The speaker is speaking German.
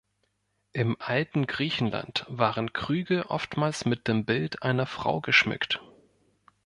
Im alten Griechenland waren Krüge oftmals mit dem Bild einer Frau geschmückt.